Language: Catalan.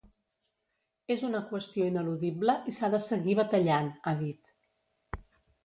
És una qüestió ineludible i s’ha de seguir batallant, ha dit.